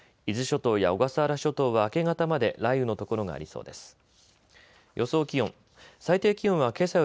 伊豆諸島や小笠原諸島は明け方まで雷雨の所がありそうです。